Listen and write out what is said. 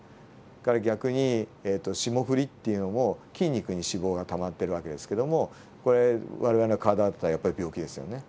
それから逆に霜降りっていうのも筋肉に脂肪がたまってる訳ですけれどもこれ我々の体だったらやっぱり病気ですよね。